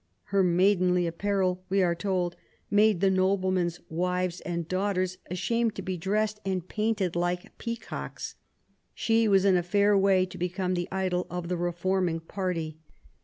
Her " maidenly apparel," we are told, *' made the noble men's wives and daughters ashamed to be dressed and painted like peacocks '*. She was in a fair way to become the idol of the reforming party.